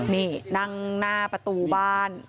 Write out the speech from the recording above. นี่นั่งหน้าประตูบ้าน